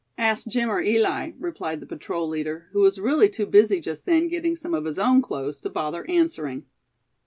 "Ask Jim, or Eli," replied the patrol leader, who was really too busy just then getting some of his own clothes, to bother answering.